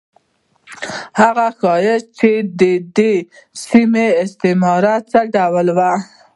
هغه ښيي چې په دې سیمه کې استعمار څه ډول و.